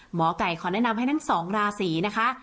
หมอไก่ขอแนะนำให้ทั้งสองราศีนะคะ